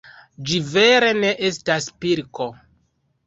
Ĝi vere ne estas pilko.